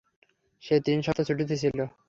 সে তিন সপ্তাহ ছুটিতে ছিল।